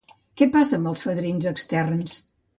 Què passa amb els fadrins externs?